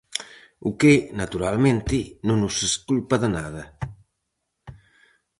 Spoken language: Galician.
O que, naturalmente, non os exculpa de nada.